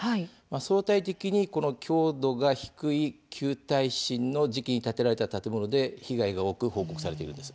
相対的に強度が低い旧耐震の時期に建てられた建物で被害が多く報告されているんです。